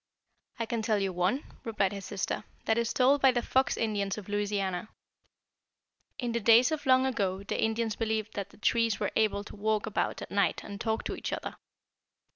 "I can tell you one," replied his sister, "that is told by the Fox Indians of Louisiana. In the days of long ago the Indians believed that the trees were able to walk about at night and talk to each other.